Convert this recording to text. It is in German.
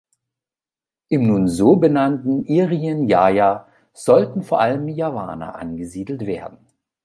Im nun so benannten Irian Jaya sollten vor allem Javaner angesiedelt werden.